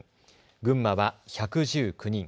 群馬は１１９人。